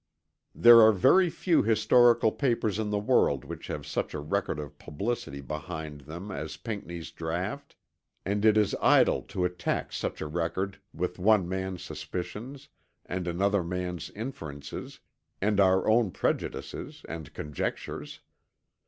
There are very few historical papers in the world which have such a record of publicity behind them as Pinckney's draught; and it is idle to attack such a record with one man's suspicions and another man's inferences, and our own prejudices and conjectures.